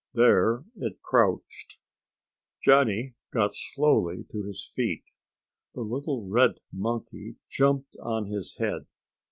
There it crouched. Johnny got slowly to his feet. The little red monkey jumped on his head.